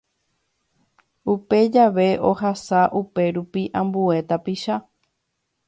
Upe jave ohasa upérupi ambue tapicha